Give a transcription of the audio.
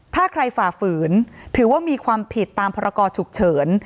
ถ้าใครฝ่าฝืนถือว่ามีความผิดตามพรกรฉุกเฉิน